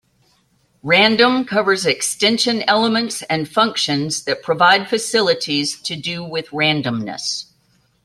Random covers extension elements and functions that provide facilities to do with randomness.